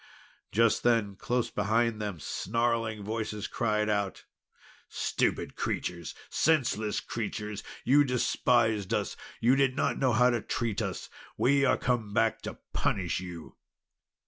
Just then, close behind them, snarling voices cried out: "Stupid creatures! Senseless creatures! You despised us! You did not know how to treat us! We are come back to punish you!"